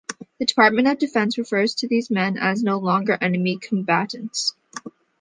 The Department of Defense refers to these men as No Longer Enemy Combatants.